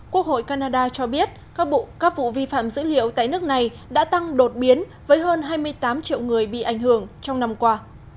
quốc hội canada cho biết các vụ vi phạm dữ liệu tại nước này đã tăng đột biến với hơn hai mươi tám triệu người bị ảnh hưởng trong năm qua